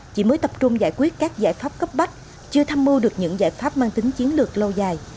chỉ mới tập trung giải quyết các giải pháp cấp bách chưa tham mưu được những giải pháp mang tính chiến lược lâu dài